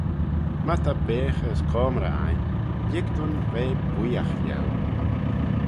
My ta beaghey as coamrey ain, lhig dooin ve booiagh lhieu.